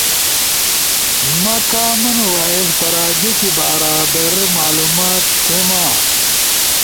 ما کامن وائس پراجیکے بارا در معلومات تھے ما۔